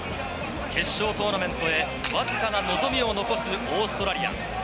決勝トーナメントへ、わずかな望みを残すオーストラリア。